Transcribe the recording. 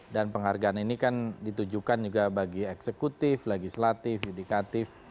dan penghargaan ini kan ditujukan juga bagi eksekutif legislatif yudikatif